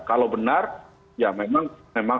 kalau benar ya memang